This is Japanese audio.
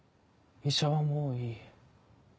医者はもういい。